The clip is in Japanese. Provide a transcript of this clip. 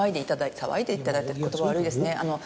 「騒いでいただいて」って言葉悪いですね。